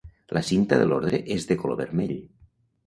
La cinta de l'ordre és de color vermell.